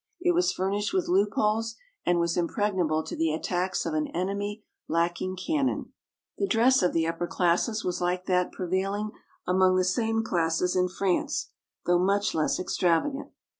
It was furnished with loopholes, and was impregnable to the attacks of an enemy lacking cannon. The dress of the upper classes was like that prevailing among the same classes in France, though much less extravagant.